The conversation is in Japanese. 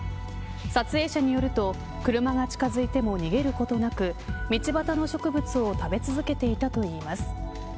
撮影者によると車が近づいても逃げることなく道端の植物を食べ続けていたといいます。